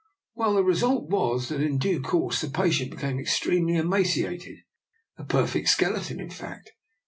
" Well, the result was that in due course the patient became extremely emaciated — a perfect skeleton, in fact.